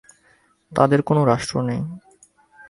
তাদের কোনো রাষ্ট্র নেই।